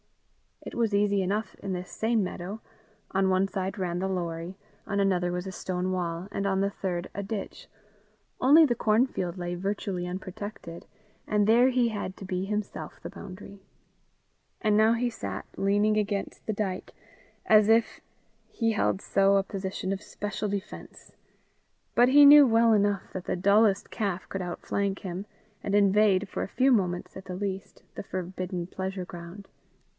It was easy enough in this same meadow: on one side ran the Lorrie; on another was a stone wall; and on the third a ditch; only the cornfield lay virtually unprotected, and there he had to be himself the boundary. And now he sat leaning against the dyke, as if he held so a position of special defence; but he knew well enough that the dullest calf could outflank him, and invade, for a few moments at the least, the forbidden pleasure ground.